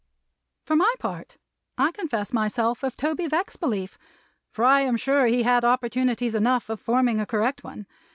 For my part, I confess myself of Toby Veck's belief, for I am sure he had opportunities enough of forming a correct one.